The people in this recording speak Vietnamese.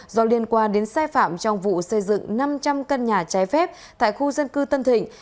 do liên quan đến sai phạm trong vụ xây dựng năm trăm linh căn nhà trái phép tại khu dân cư tân thịnh